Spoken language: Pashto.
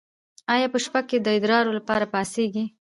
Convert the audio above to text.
ایا په شپه کې د ادرار لپاره پاڅیږئ؟